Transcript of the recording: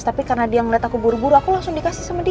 tapi karena dia melihat aku buru buru aku langsung dikasih sama dia